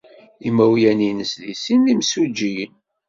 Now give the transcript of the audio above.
Imawlan-nnes deg sin d imsujjiyen.